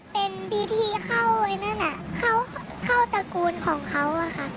เป็นพิธีเข้าตระกูลของเขา